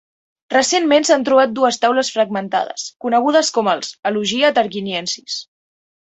Recentment s'han trobat dues taules fragmentades, conegudes com els "Elogia Tarquiniensis".